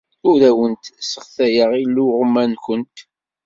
Ur awent-sseɣtayeɣ iluɣma-nwent.